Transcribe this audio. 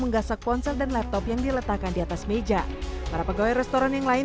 menggasak ponsel dan laptop yang diletakkan di atas meja para pegawai restoran yang lain